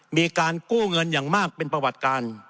มีการกู้เงินอย่างมากเป็นประวัติการ